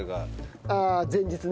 ああ前日ね。